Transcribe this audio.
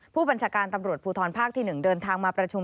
ผู้บัญชาการตำรวจภูทรภาคที่๑เดินทางมาประชุม